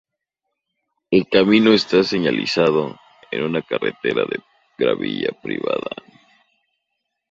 El camino está señalizado en una carretera de gravilla privada.